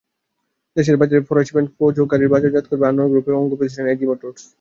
দেশের বাজারে ফরাসি ব্র্যান্ড পঁজো গাড়ির বাজারজাত করবে আনোয়ার গ্রুপের অঙ্গপ্রতিষ্ঠান এজি মোটরস।